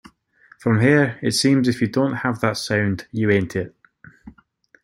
From here, it seems if you don't have that sound, you ain't it.